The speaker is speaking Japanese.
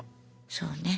そうね。